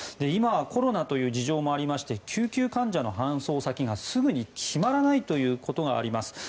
今はコロナという事情もあり救急患者の搬送先がすぐに決まらないということがあります。